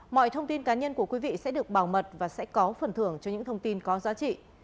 mọi thông tin cá nhân của quý vị sẽ được bảo mật và sẽ có phần thưởng cho những thông tin có giá trị